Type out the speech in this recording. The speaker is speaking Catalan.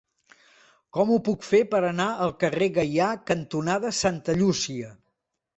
Com ho puc fer per anar al carrer Gaià cantonada Santa Llúcia?